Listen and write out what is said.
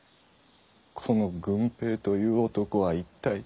この「郡平」という男は一体。